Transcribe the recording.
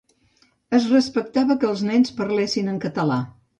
Es respectava que els nens parlessin en català.